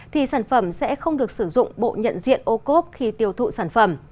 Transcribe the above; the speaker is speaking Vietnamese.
thì sản phẩm sẽ không được sử dụng bộ nhận diện ô cốt khi tiêu thụ sản phẩm